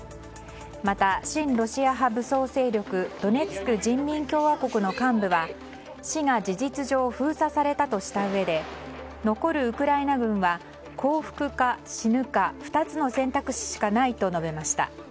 また、親ロシア派武装勢力ドネツク人民共和国の幹部は市が事実上封鎖されたとしたうえで残るウクライナ軍は降伏か死ぬか２つの選択肢しかないと述べました。